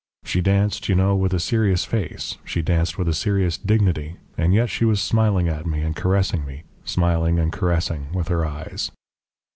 She danced, you know, with a serious face; she danced with a serious dignity, and yet she was smiling at me and caressing me smiling and caressing with her eyes.